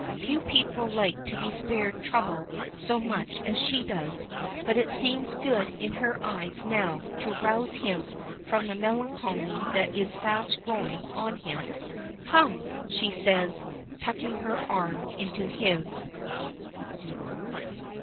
Few people like to be spared trouble so much as she does, but it seems good in her eyes now to rouse him from the melancholy that is fast growing on him. "Come," she says, tucking her arm into his.